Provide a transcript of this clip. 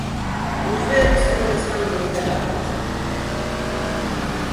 Imos ver os que están aínda en nivel alto, Chus.